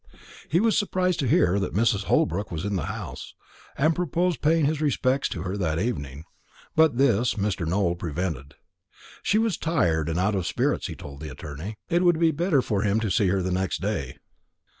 He was surprised to hear that Mrs. Holbrook was in the house, and proposed paying his respects to her that evening; but this Mr. Nowell prevented. She was tired and out of spirits, he told the attorney; it would be better for him to see her next day.